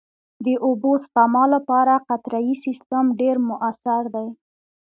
د اوبو سپما لپاره قطرهيي سیستم ډېر مؤثر دی.